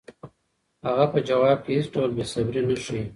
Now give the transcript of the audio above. هغه په ځواب کې هېڅ ډول بېصبري نه ښيي.